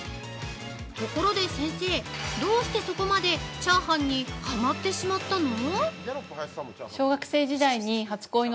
ところで先生、どうしてそこまでチャーハンにハマってしまったの？